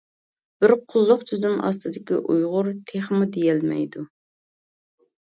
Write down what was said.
بىر قۇللۇق تۇزۇم ئاستىدىكى ئۇيغۇر تېخىمۇ دېيەلمەيدۇ.